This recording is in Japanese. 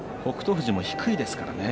富士も姿勢が低いですからね。